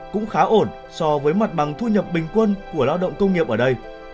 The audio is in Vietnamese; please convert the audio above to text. cũng khá ổn so với mặt bằng thu nhập bình quân của lao động công nghiệp ở đây